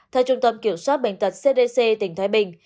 theo trung tâm kiểm soát bệnh tật cdc tỉnh thái bình